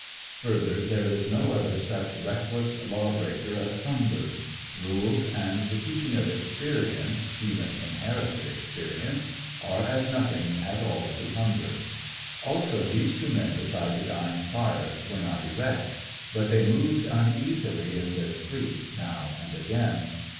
Further, there is no other such reckless law breaker as hunger. Rules and the teaching of experience even inherited experience are as nothing at all to hunger. Also, these two men beside the dying fire were not erect. But they moved uneasily in their sleep now and again.